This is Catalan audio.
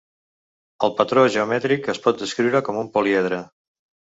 El patró geomètric es pot descriure com un políedre.